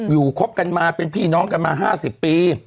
คบกันมาเป็นพี่น้องกันมา๕๐ปี